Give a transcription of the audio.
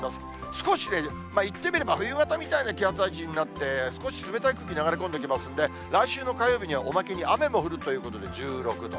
少し、言ってみれば冬型みたいな気圧配置になって、少し冷たい空気流れ込んできますので、来週の火曜日には、おまけに雨も降るということで、１６度。